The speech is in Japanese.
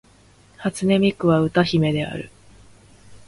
初音ミクは歌姫である